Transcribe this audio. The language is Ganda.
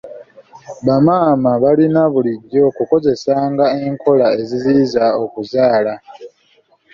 Bamaama balina bulijo okukozesanga enkola eziziyiza okuzaala.